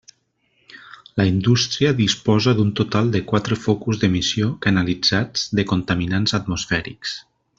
La indústria disposa d'un total de quatre focus d'emissió canalitzats de contaminants atmosfèrics.